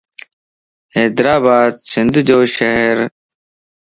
حيدرآباد سنڌ جو شھرَ